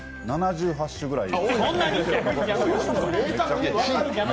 ７８種ぐらい。